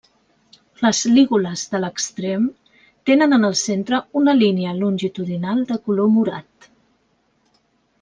Les lígules de l'extrem tenen en el centre una línia longitudinal de color morat.